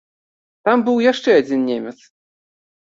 Там быў яшчэ адзін немец.